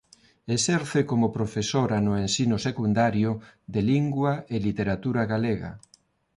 Exerce como profesora no ensino secundario de Lingua e Literatura Galega.